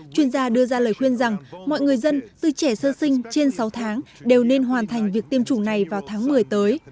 chuyên gia đưa ra lời khuyên rằng mọi người dân từ trẻ sơ sinh trên sáu tháng đều nên hoàn thành việc tiêm chủng này vào tháng một mươi tới